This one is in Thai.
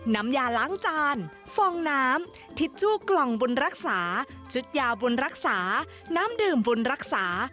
น้ำยาล้างจานฟองน้ำทิชชู้กล่องบุญรักษาชุดยาบุญรักษาน้ำดื่มบุญรักษา